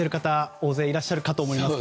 大勢いらっしゃると思いますが。